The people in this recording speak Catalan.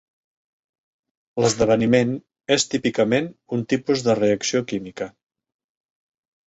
L'"esdeveniment" és típicament un tipus de reacció química.